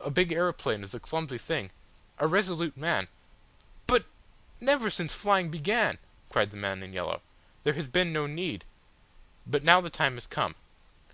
A big aeroplane is a clumsy thing. A resolute man !" "But never since flying began " cried the man in yellow. "There has been no need. But now the time has come.